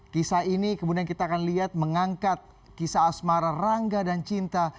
kisah ini kemudian kita akan lihat mengangkat kisah asmara rangga dan cinta